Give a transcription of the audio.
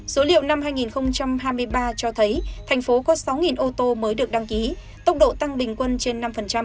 số liệu năm hai nghìn hai mươi ba cho thấy thành phố có sáu ô tô mới được đăng ký tốc độ tăng bình quân trên năm